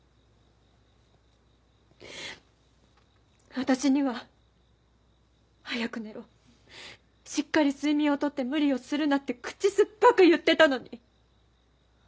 私には「早く寝ろ。しっかり睡眠をとって無理をするな」って口酸っぱく言ってたのに。